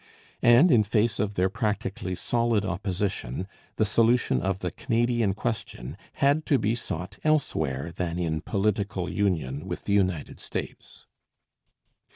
And in face of their practically solid opposition the solution of the 'Canadian Question' had to be sought elsewhere than in political union with the United States.